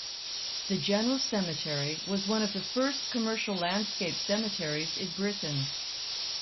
The General Cemetery was one of the first commercial landscape cemeteries in Britain.